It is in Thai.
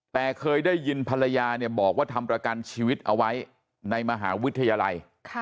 แต่เคยได้ยินภรรยาบอกว่าทำประกันชีวิตเอาไว้ในมหาวิทยาลัย